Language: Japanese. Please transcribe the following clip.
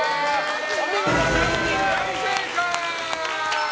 お見事、３人、大正解！